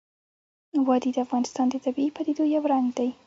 وادي د افغانستان د طبیعي پدیدو یو رنګ دی.